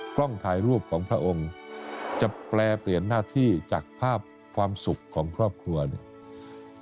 กล้องถ่ายรูปของพระองค์จะแปรเปลี่ยนหน้าที่จากภาพความสุขของครอบครัวเนี่ย